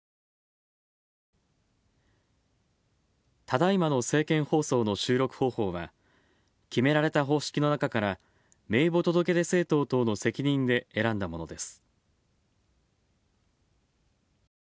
ただいまの政見放送の収録方法は、決められた方式の中から名簿届出政党等の責任で選んだものです。